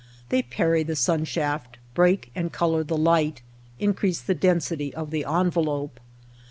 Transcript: They parry the sunshaf t, break and color the light, increase the density of the envelope.